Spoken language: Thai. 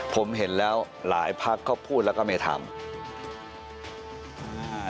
ผมเห็นแล้วหลายพักก็พูดแล้วก็ไม่ทำ